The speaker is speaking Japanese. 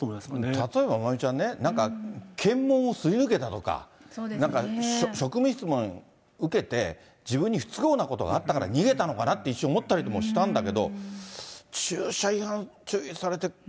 例えばまおみちゃんね、なんか、検問をすり抜けたとか、なんか職務質問受けて、自分に不都合なことがあったから、逃げたのかなって、一瞬思ったりもしたんだけど、駐車違反注意されて。